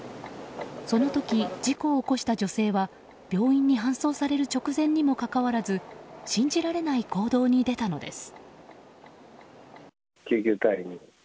その時、事故を起こした女性は病院に搬送される直前にもかかわらず信じられない行動に出たのです。